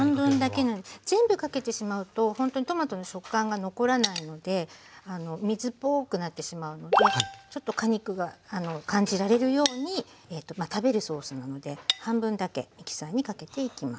全部かけてしまうとほんとにトマトの食感が残らないので水っぽくなってしまうのでちょっと果肉が感じられるようにまあ食べるソースなので半分だけミキサーにかけていきます。